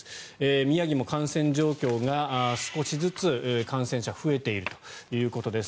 宮城も感染状況が少しずつ感染者増えているということです。